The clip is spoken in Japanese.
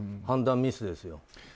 判断ミスですよ。